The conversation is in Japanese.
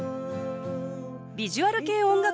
ビジュアル系音楽